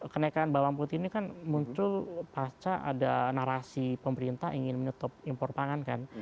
kenaikan bawang putih ini kan muncul pasca ada narasi pemerintah ingin menutup impor pangan kan